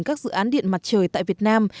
các dự án điện mặt trời tại việt nam